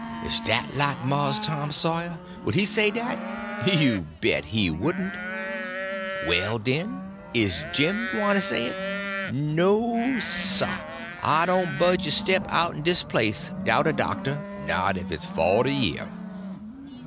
Is dat like Mars Tom Sawyer? Would he say dat? You bet he wouldn't! Well, den, is Jim gywne to say it? No, sah—I doan' budge a step out'n dis place 'dout a doctor; not if it's forty year!"